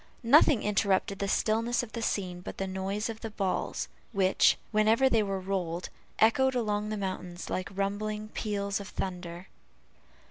Nothing interrupted the stillness of the scene but the noise of the balls, which, whenever they were rolled, echoed along the mountains like rumbling peals of thunder.